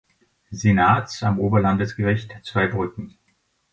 Senats am Oberlandesgericht Zweibrücken.